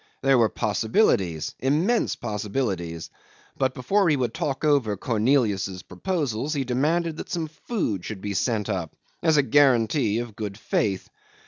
There were possibilities, immense possibilities; but before he would talk over Cornelius's proposals he demanded that some food should be sent up as a guarantee of good faith.